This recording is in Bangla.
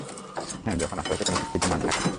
হ্যাঁ, যখন আশেপাশে কোনো খিটখিটে নান থাকে না।